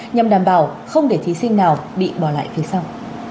nhằm đảm bảo không để thí sinh nào bị bỏ lại phía sau